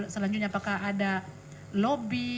selanjutnya apakah ada lobby